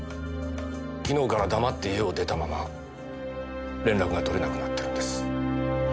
昨日から黙って家を出たまま連絡が取れなくなってるんです。